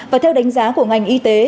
và theo đánh giá của ngành y tế